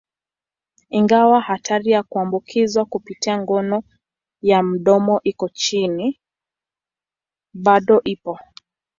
Ingawa hatari ya kuambukizwa kupitia ngono ya mdomoni iko chini, bado ipo.